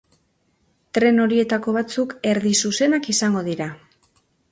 Tren horietako batzuk erdi-zuzenak izango dira.